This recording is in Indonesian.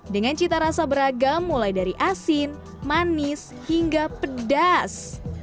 dengan cita rasa beragam mulai dari asin manis hingga pedas